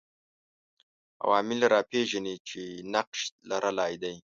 عوامل راپېژني چې نقش لرلای دی